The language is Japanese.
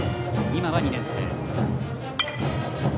今は２年生。